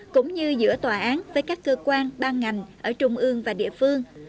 cũng như giữa tòa án với các cơ quan ban ngành ở trung ương và địa phương